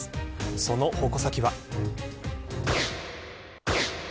その矛先は。